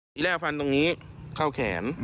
ที่แรกฟันตรงนี้เข้าแขน